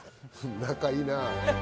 仲いいな。